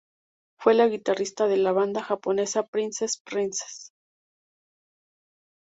Fue la guitarrista de la banda japonesa Princess Princess.